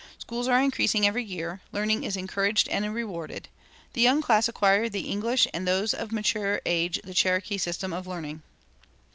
Schools are increasing every year; learning is encouraged and rewarded; the young class acquire the English and those of mature age the Cherokee system of learning."